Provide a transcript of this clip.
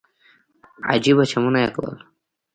عجيبه چمونه يې کول.